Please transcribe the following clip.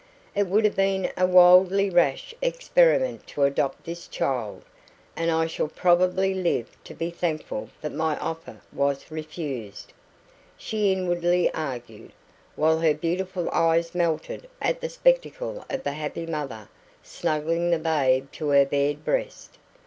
"It would have been a wildly rash experiment to adopt this child, and I shall probably live to be thankful that my offer was refused," she inwardly argued, while her beautiful eyes melted at the spectacle of the happy mother snuggling the babe to her bared breast.